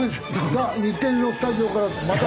さあ日テレのスタジオから。